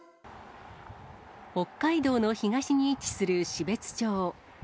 北海道の東に位置する標津町。